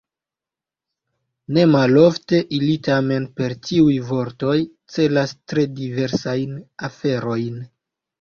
Nemalofte ili tamen per tiuj vortoj celas tre diversajn aferojn.